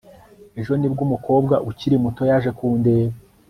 Ejo nibwo umukobwa ukiri muto yaje kundeba